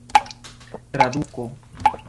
traduko